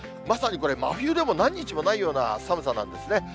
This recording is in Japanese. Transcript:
まさにこれ、真冬でも何日もないような寒さなんですね。